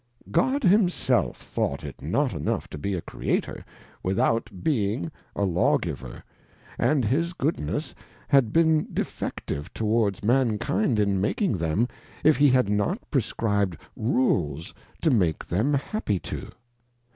God himself thought it not enough to be a Creator, without being a Lawgiver, and his goodness had been defective towards mankind in making them, if he had not prescribed Rules to make them happy too.